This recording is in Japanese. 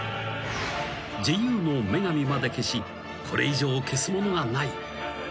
自由の女神まで消しこれ以上、消すものがない。